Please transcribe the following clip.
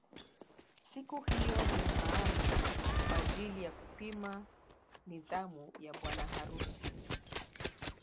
Siku hiyo ni maalum kwa ajili ya kupima nidhamu ya bwana harusi